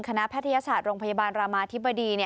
แพทยศาสตร์โรงพยาบาลรามาธิบดี